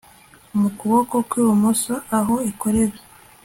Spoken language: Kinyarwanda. mu kuboko kw ibumoso aho ikorera